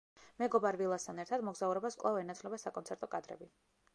მეგობარ ვილასთან ერთად მოგზაურობას კვლავ ენაცვლება საკონცერტო კადრები.